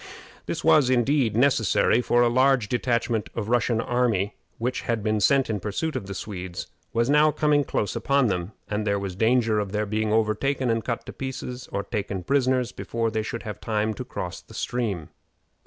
This was, indeed, necessary, for a large detachment of the Russian army which had been sent in pursuit of the Swedes was now coming close upon them, and there was danger of their being overtaken and cut to pieces or taken prisoners before they should have time to cross the stream.